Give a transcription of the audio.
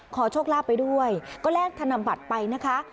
ขอโชคลาภไปด้วยก็แลกธนบัตรไปนะคะ